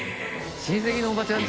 親戚のおばちゃんち？